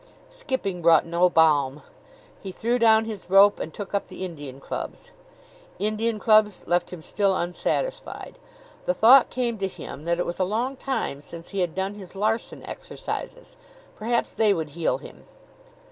Skipping brought no balm. He threw down his rope and took up the Indian clubs. Indian clubs left him still unsatisfied. The thought came to him that it was a long time since he had done his Larsen Exercises. Perhaps they would heal him.